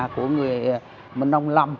của người mân âu lâm